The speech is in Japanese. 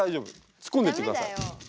突っ込んでいってください。